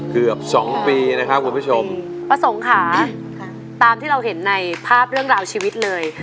เกือบสองปีนะครับคุณผู้ชมประสงค์ค่ะตามที่เราเห็นในภาพเรื่องราวชีวิตเลย